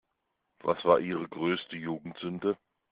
Was war Ihre größte Jugendsünde?